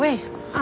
あ。